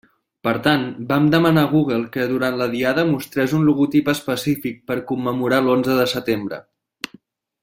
Per tant, vam demanar a Google que durant la Diada mostrés un logotip específic per commemorar l'onze de setembre.